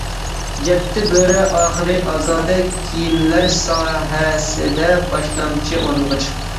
«يەتتە بۆرە» ئاخىرى ئازادە كىيىملەر ساھەسىدە باشلامچى ئورۇنغا چىقتى.